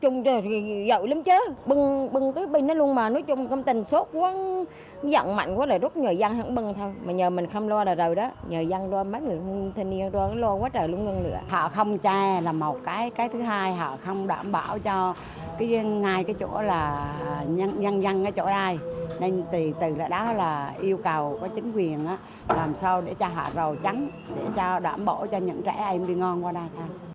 nên từ từ lại đó là yêu cầu của chính quyền làm sao để cho họ rào trắng để đảm bảo cho những trẻ em đi ngon qua đây